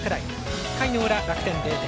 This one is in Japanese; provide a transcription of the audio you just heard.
１回の裏、楽天、０点。